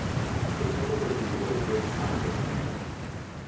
The Celebrity was this kind of a man.